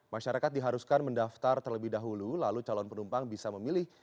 masyarakat diharuskan mendaftar terlebih dahulu lalu calon penumpang bisa memilih